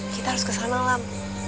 kita harus ke sana lam